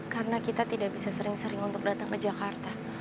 karena kita tidak bisa sering sering untuk datang ke jakarta